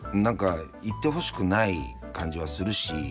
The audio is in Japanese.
何か言ってほしくない感じはするし。